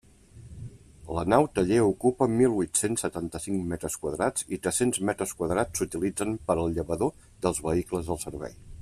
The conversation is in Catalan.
La nau-taller ocupa mil huit-cents setanta-cinc metres quadrats i tres-cents metres quadrats s'utilitzen per al llavador dels vehicles del servei.